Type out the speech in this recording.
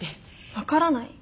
分からない？